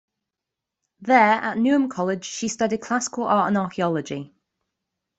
There, at Newnham College, she studied Classical Art and Archaeology.